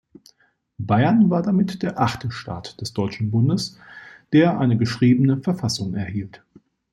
Bayern war damit der achte Staat des Deutschen Bundes, der eine geschriebene Verfassung erhielt.